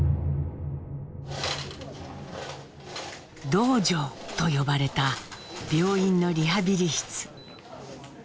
「道場」と呼ばれた病院のリハビリ室。